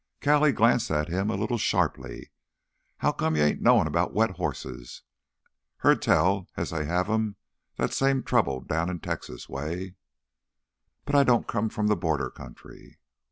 Callie glanced at him a little sharply. "How come you ain't knowin' 'bout 'wet hosses'? Heard tell as how they have 'em that same trouble down Texas way—" "But I don't come from the border country."